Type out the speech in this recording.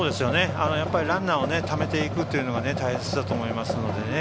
やっぱりランナーをためていくというのが大切だと思いますのでね。